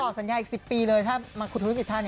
พอตอบสัญญาอีก๑๐ปีเลยถ้ามาคุยธุรกิจท่าเนี่ย